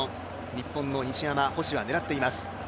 日本の西山、星は狙っています。